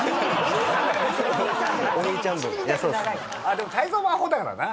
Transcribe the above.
でも泰造もアホだからな。